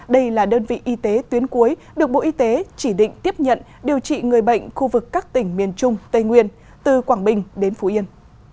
đây là đơn vị y tế tuyến cuối được bộ y tế chỉ định tiếp nhận điều trị người bệnh khu vực các tỉnh miền trung tây nguyên từ quảng bình đến phú yên